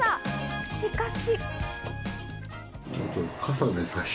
しかし。